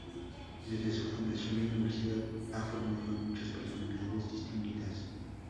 Desde su fundación, la universidad ha formado a muchas personalidades distinguidas.